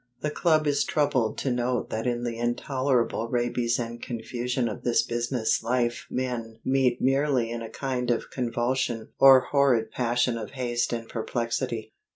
The Club is troubled to note that in the intolerable rabies and confusion of this business life men meet merely in a kind of convulsion or horrid passion of haste and perplexity.